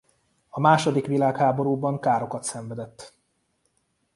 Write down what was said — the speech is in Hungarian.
A második világháborúban károkat szenvedett.